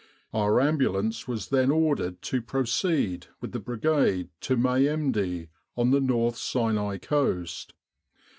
Our Ambulance was then ordered to proceed with the Brigade to Mehemdia on the North Sinai coast.